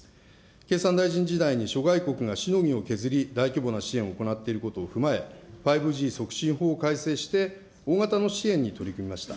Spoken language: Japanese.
経産大臣時代に諸外国がしのぎを削り、大規模な支援を行っていることを踏まえ、５Ｇ促進法を改正して、大型の支援に取り組みました。